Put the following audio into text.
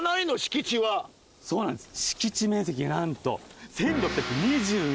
そうなんです。